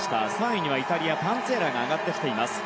３位にはイタリアパンツィエラが上がってきています。